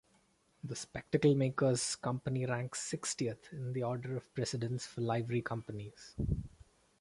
The Spectacle Makers' Company ranks sixtieth in the order of precedence for Livery Companies.